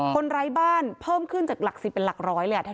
คนร้ายบ้านเพิ่มขึ้นจากหลักสิบเป็นหลักร้อยแหละ